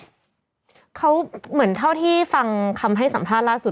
คุณประกาศตัวนี้เขาเหมือนเท่าที่ฟังคำให้สัมภาษณ์ล่าสุด